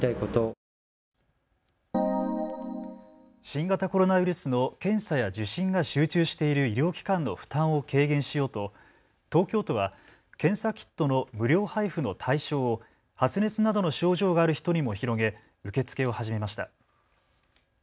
新型コロナウイルスの検査や受診が集中している医療機関の負担を軽減しようと東京都は検査キットの無料配布の対象を発熱などの症状がある人にも広げ受け付けを始めました。